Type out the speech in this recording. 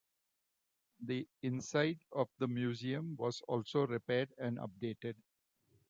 The inside of the museum was also repaired and updated.